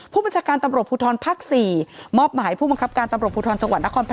ผู้บัญชาการตำรวจภูทรภาค๔มอบหมายผู้บังคับการตำรวจภูทรจังหวัดนครพน